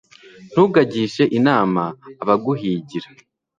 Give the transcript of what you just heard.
ntukagishe inama abaguhigira